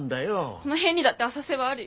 この辺にだって浅瀬はあるよ。